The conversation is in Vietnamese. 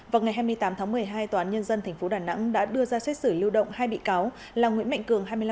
vào ngày hai mươi tám tháng một mươi hai tòa án nhân dân tp đà nẵng đã đưa ra xét xử lưu động hai bị cáo là nguyễn mạnh cường hai mươi năm tuổi